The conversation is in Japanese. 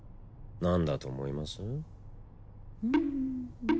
何だと思います？